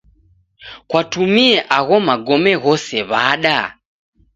Kwatumie agho magome ghose w'ada?